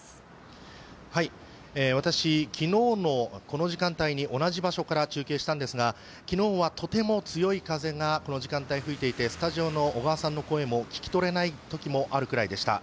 私、昨日のこの時間帯に同じ場所から中継したんですが昨日はとても強い風がこの時間帯、吹いていてスタジオの小川さんの声も聞き取れないときもあるぐらいでした。